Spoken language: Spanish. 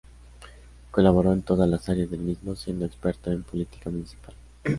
Colaboró en todas las áreas del mismo, siendo experto en Política Municipal.